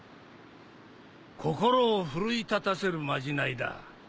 心を奮い立たせるまじないだ